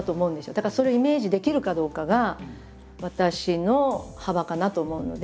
だからそれをイメージできるかどうかが私の幅かなと思うので。